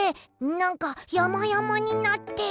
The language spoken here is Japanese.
なんかやまやまになってる。